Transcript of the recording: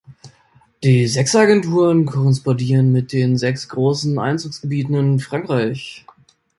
Die sechs Agenturen korrespondieren mit den sechs großen Einzugsgebieten in Frankreich.